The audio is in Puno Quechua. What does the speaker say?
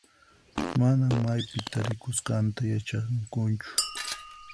Manan maypi tarikusqanta yachankuchu.